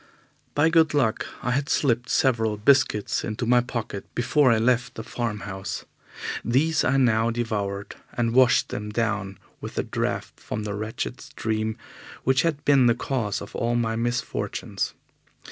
By good luck I had slipped several biscuits into my pocket before I left the farm house. These I now devoured, and washed them down with a draught from that wretched stream which had been the cause of all my misfortunes.